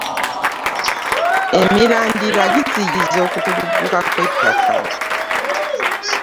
Emirandira giziyiza okukulugguka kw'ettaka.